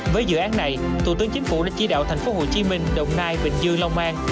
với dự án này tổ tướng chính phủ đã chỉ đạo tp hcm đồng nai bình dương lông an